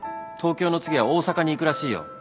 東京の次は大阪に行くらしいよ